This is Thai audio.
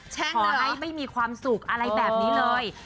ขอให้ไม่มีความสุขอะไรแบบนี้เลย